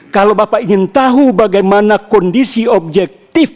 kalau bapak ingin tahu bagaimana kondisi objektif